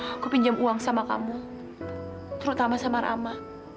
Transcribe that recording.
aku pinjam uang sama kamu terutama sama rama